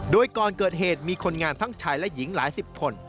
โดยก่อนเกิดเหตุมีคนงานทั้งชายและหญิงหลายสิบคน